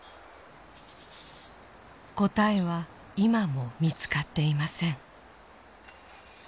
答えは今も見つかっていません。